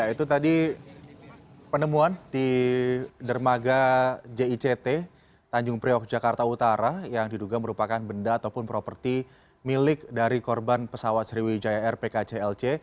ya itu tadi penemuan di dermaga jict tanjung priok jakarta utara yang diduga merupakan benda ataupun properti milik dari korban pesawat sriwijaya air pkclc